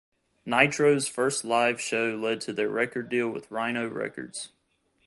Nitro's first live show led to their record deal with Rhino Records.